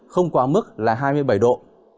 không quá mức là hai mươi bảy độ